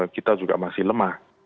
kita juga masih lemah